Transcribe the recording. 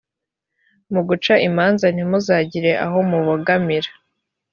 mu guca imanza ntimuzagire aho mubogamira